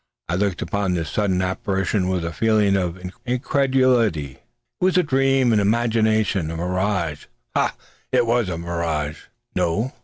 I looked upon this sudden apparition with a feeling of incredulity. It was a dream, an imagination, a mirage. Ha! it was the mirage! No!